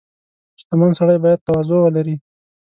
• شتمن سړی باید تواضع ولري.